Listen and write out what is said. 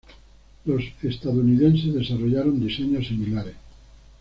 Los estadounidenses desarrollaron diseños similares.